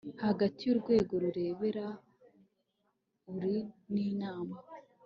hagati y urwego rureberera ur n inama